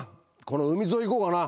この海沿い行こうかな。